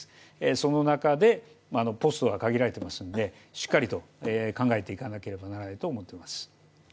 その中でポストが限られていますのでしっかりと考えていかなければならないと思っています。